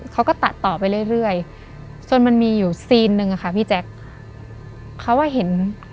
เขาก็ตัดต่อไปเรื่อยเรื่อยจนมันมีอยู่ซีนหนึ่งอะค่ะพี่แจ๊คเขาก็เห็น